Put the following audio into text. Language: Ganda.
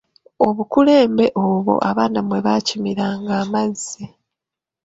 Obukulembe obwo abaana mwe baakimiranga amazzi.